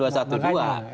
harus diakui juga